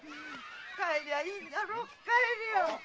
帰りゃいいんだろ帰りゃ。